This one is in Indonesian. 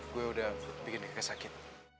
gue udah bikin kayak sakit